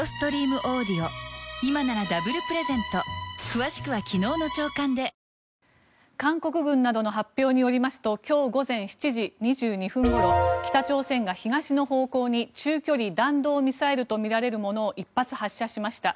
一方全日空と日本航空によりますと韓国軍などの発表によりますと今日午前７時２２分ごろ北朝鮮が東の方向に中距離弾道ミサイルとみられるものを１発発射しました。